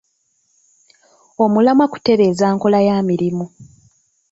Omulamwa kutereeza nkola ya mirimu.